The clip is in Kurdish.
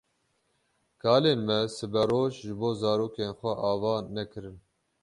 Kalên me siberoj ji bo zarokên xwe ava nekirin.